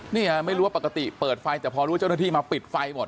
เนี่ยไม่รู้ว่าปกติเปิดไฟแต่พอรู้เจ้าหน้าที่มาปิดไฟหมด